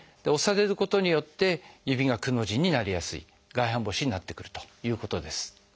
押されることによって指がくの字になりやすい外反母趾になってくるということです。